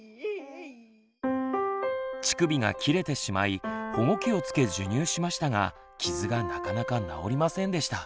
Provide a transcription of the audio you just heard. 乳首が切れてしまい保護器をつけ授乳しましたが傷がなかなか治りませんでした。